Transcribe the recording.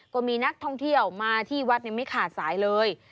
ก็มีนักท่องเที่ยวมาที่วัดไม่ขาดสายเลย